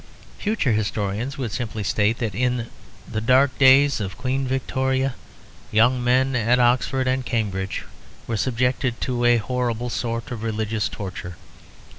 Future historians would simply state that in the dark days of Queen Victoria young men at Oxford and Cambridge were subjected to a horrible sort of religious torture.